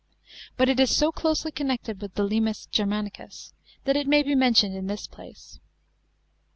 But it is so closely connected with the limes Germanicus, that it may be mentioned in this place.